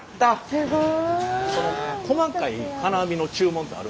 すごい。